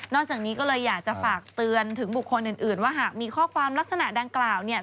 จากนี้ก็เลยอยากจะฝากเตือนถึงบุคคลอื่นว่าหากมีข้อความลักษณะดังกล่าวเนี่ย